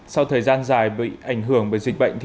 sau thời gian dài bị ảnh hưởng bởi dịch bệnh